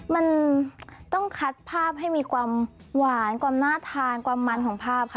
มันต้องคัดภาพให้มีความหวานความน่าทานความมันของภาพค่ะ